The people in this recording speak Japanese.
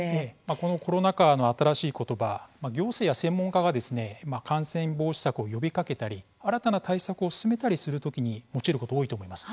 このコロナ禍の新しい言葉行政や専門家が感染防止策を呼びかけたり新たな対策を進めたりする時に用いること多いと思います。